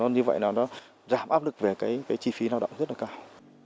như vậy nào nó giảm áp lực về chi phí lao động rất là cao